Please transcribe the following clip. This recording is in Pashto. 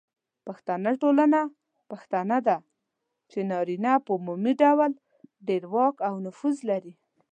پښتنه ټولنه پښتنه ده، چې نارینه په عمومي ډول ډیر واک او نفوذ لري.